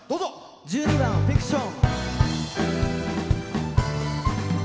１２番「フィクション」。